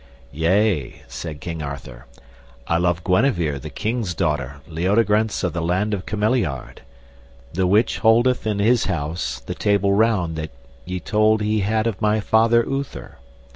Yea, said King Arthur, I love Guenever the king's daughter, Leodegrance of the land of Cameliard, the which holdeth in his house the Table Round that ye told he had of my father Uther.